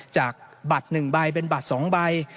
จากบัตรหนึ่งใบเป็นบัตรสองใบ